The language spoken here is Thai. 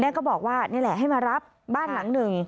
ก็บอกว่านี่แหละให้มารับบ้านหลังหนึ่ง